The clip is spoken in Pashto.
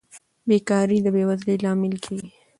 بېکاري د بې وزلۍ لامل کیږي.